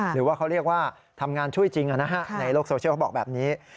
หรือว่าเขาเรียกว่าทำงานช่วยจริงในโลกโซเชียลเขาบอกแบบนี้